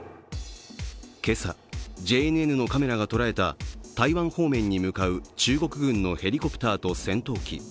今朝、ＪＮＮのカメラが捉えた台湾方面に向かう中国軍のヘリコプターと戦闘機。